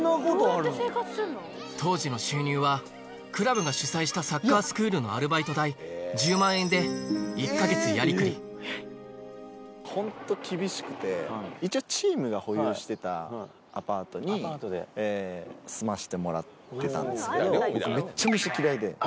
当時の収入は、クラブが主催したサッカースクールのアルバイト代１０万円で１か本当厳しくて、一応チームが保有してたアパートに住ませてもらってたんですよ。